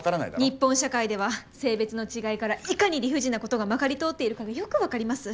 日本社会では性別の違いからいかに理不尽なことがまかり通っているかがよく分かります。